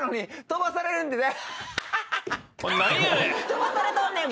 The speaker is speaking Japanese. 飛ばされとんねん。